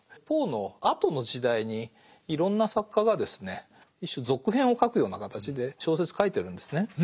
ポーのあとの時代にいろんな作家がですね一種続編を書くような形で小説書いてるんですね。